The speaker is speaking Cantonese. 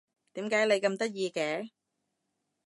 點解你咁得意嘅？